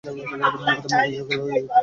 মোক্ষদা চটিয়া বলিল, তাই তো গেল বাজিতপুর!